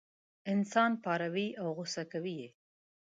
انسان پاروي او غوسه کوي یې.